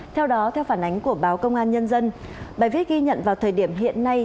theo đó theo phản ánh của báo công an nhân dân bài viết ghi nhận vào thời điểm hiện nay